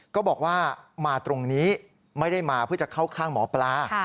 ก็บอกว่ามาตรงนี้ไม่ได้มาเพื่อจะเข้าข้างหมอปลา